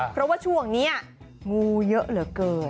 เพราะว่าช่วงนี้งูเยอะเหลือเกิน